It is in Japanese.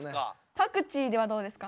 パクチーではどうですか？